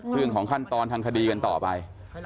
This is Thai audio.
เรื่องของขั้นตอนทางคดีกันต่อไป